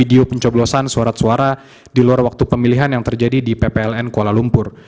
di luar waktu pemilihan yang terjadi di ppln kuala lumpur